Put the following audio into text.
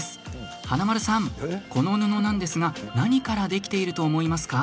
華丸さん、この布何からできていると思いますか？